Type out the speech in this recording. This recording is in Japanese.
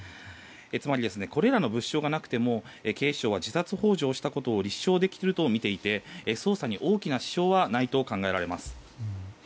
つまり、これらの物証がなくても警視庁は自殺幇助したことを立証できるとみていて捜査に大きな支障はないと考えられます。